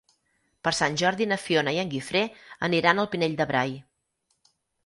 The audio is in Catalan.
Per Sant Jordi na Fiona i en Guifré aniran al Pinell de Brai.